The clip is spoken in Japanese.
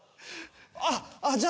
あっじゃ